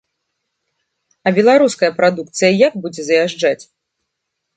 А беларуская прадукцыя як будзе заязджаць?